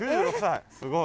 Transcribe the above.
すごい。